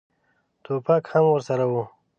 ټوپک هم ورسره و.